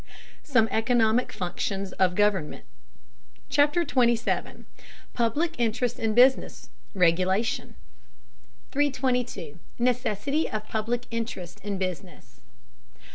SOME ECONOMIC FUNCTIONS OF GOVERNMENT CHAPTER XXVII PUBLIC INTEREST IN BUSINESS: REGULATION 322. NECESSITY OF PUBLIC INTEREST IN BUSINESS.